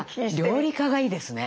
料理家がいいですね。